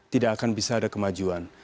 tidak akan bisa ada kemajuan